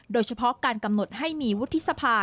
โดยเฉพาะการกำหนดให้มีวุฒิสภา